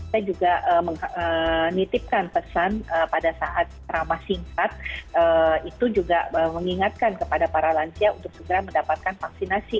saya juga menitipkan pesan pada saat ramah singkat itu juga mengingatkan kepada para lansia untuk segera mendapatkan vaksinasi